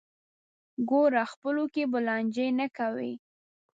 ګوره خپلو کې به لانجې نه کوئ.